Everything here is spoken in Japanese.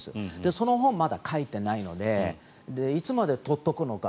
その本はまだ書いていないのでいつまで取っておくのか。